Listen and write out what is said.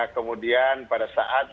kemudian pada saat